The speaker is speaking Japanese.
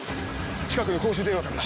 近くの公衆電話からだ。